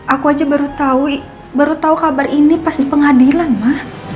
aku aja baru tahu kabar ini pas di pengadilan ma